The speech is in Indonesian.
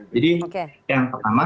jadi yang pertama